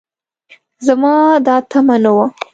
زما دا تمعه نه وه